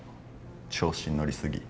調子に乗り過ぎ。